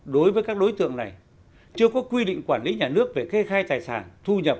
đối tượng này chưa có quy định quản lý nhà nước về kê khai tài sản thu nhập